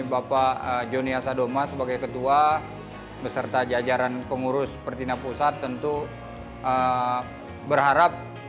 bapak joni asadoma sebagai ketua beserta jajaran pengurus pertina pusat tentu berharap